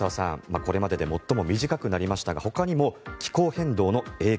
これまでで最も短くなりましたがほかにも気候変動の影響